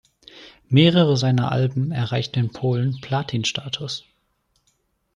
Mehrere seiner Alben erreichten in Polen Platin-Status.